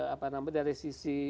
apa namanya dari sisi